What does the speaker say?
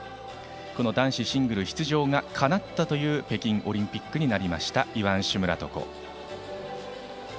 男子シングル出場がかなった北京オリンピックになりましたイワン・シュムラトコ。